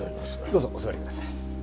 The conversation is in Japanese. どうぞお座りください。